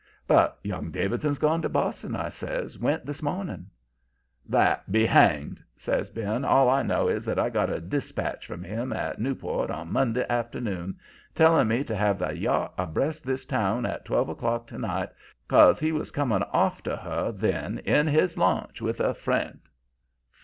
"'But young Davidson's gone to Boston,' I says. 'Went this morning.' "'That be hanged!' says Ben. 'All I know is that I got a despatch from him at Newport on Monday afternoon, telling me to have the yacht abreast this town at twelve o'clock to night, 'cause he was coming off to her then in his launch with a friend.